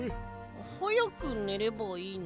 はやくねればいいの？